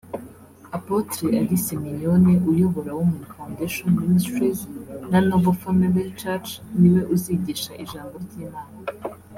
Apotre Alice Mignonne uyobora Women Foundation Ministries na Noble Family church ni we uzigisha ijambo ry'Imana